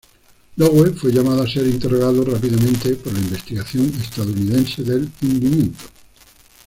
Lowe fue llamado a ser interrogado rápidamente por la investigación estadounidense del hundimiento.